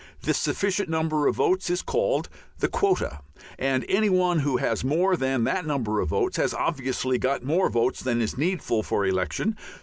This sufficient number of votes is called the quota, and any one who has more than that number of votes has obviously got more votes than is needful for election.